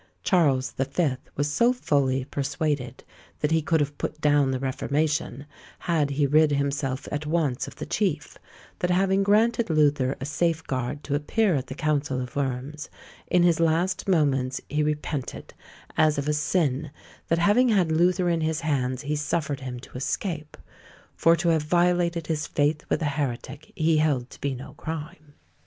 Charles the Fifth was so fully persuaded that he could have put down the Reformation, had he rid himself at once of the chief, that having granted Luther a safeguard to appear at the Council of Worms, in his last moments he repented, as of a sin, that having had Luther in his hands he suffered him to escape; for to have violated his faith with a heretic he held to be no crime.